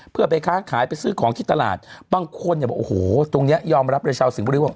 เพื่อไปค้าขายไปซื้อของที่ตลาดบางคนอย่าโหโหหัวตรงนี้ยอมรับรับชาวสิ่ง